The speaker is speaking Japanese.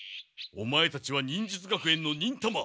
オマエたちは忍術学園の忍たま！